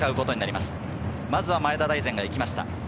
まずは前田大然が行きました。